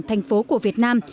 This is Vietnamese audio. thành phố của việt nam